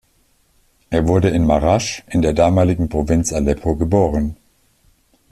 Er wurde in Maraş in der damaligen Provinz Aleppo geboren.